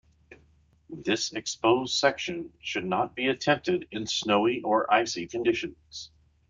This exposed section should not be attempted in snowy or icy conditions.